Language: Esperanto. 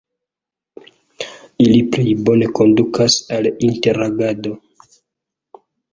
Ili plej bone kondukas al interagado.